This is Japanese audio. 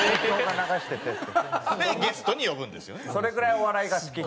それぐらいお笑いが好き。